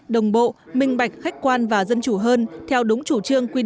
đồng bộ minh bạch khách quan và dân chủ hơn theo đúng chủ trương quy định